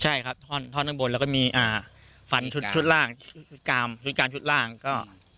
ใช่ครับท่อนข้างบนแล้วก็มีฟันชุดชุดล่างชุดกามชุดกามชุดล่างก็